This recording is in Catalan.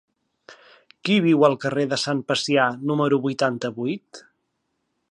Qui viu al carrer de Sant Pacià número vuitanta-vuit?